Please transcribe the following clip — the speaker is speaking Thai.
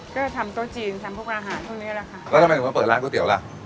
ก็ทำโต๊ะจีนทำพวกอาหารพวกนี้แหละค่ะแล้วทำไมถึงมาเปิดร้านก๋วเตี๋ยล่ะ